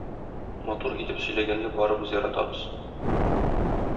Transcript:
Матур итеп сөйләгәнне барыбыз яратабыз